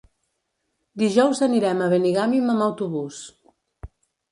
Dijous anirem a Benigànim amb autobús.